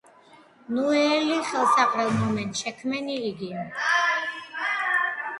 ნუ ელი ხელსაყრელ მომენტს, შექმენი იგი.